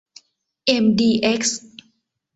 เอ็ม ดี เอ็กซ์